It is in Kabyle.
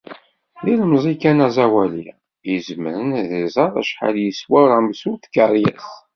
D ilemẓi kan aẓawali i izemren ad iẓer acḥal yeswa uramsu d tikeṛyas.